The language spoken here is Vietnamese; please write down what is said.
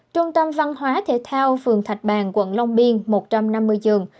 trung tâm văn hóa thể thao phường thạch bàng quận long biên một trăm năm mươi giường